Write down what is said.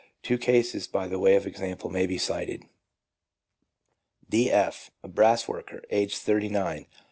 Two cases by way of example may be cited :— D. F., a brass worker, aged thirty nine.